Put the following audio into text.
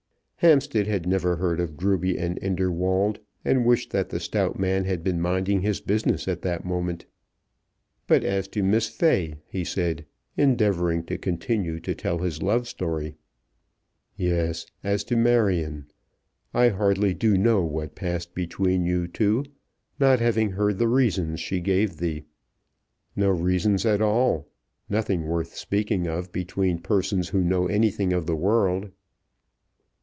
Hampstead had never heard of Gruby and Inderwald, and wished that the stout man had been minding his business at that moment. "But as to Miss Fay," he said, endeavouring to continue to tell his love story. "Yes, as to Marion. I hardly do know what passed between you two, not having heard the reasons she gave thee." "No reasons at all; nothing worth speaking of between persons who know anything of the world."